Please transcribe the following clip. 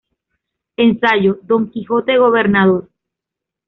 Ensayo: Don Quijote gobernador.